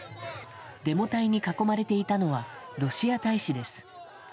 デモ隊に囲まれていたのはロシア大使です。